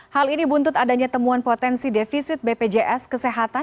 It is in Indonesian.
hal ini buntut adanya temuan potensi defisit bpjs kesehatan